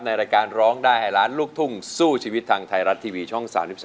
รายการร้องได้ให้ล้านลูกทุ่งสู้ชีวิตทางไทยรัฐทีวีช่อง๓๒